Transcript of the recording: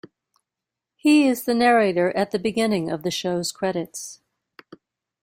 He is the narrator at the beginning of the show's credits.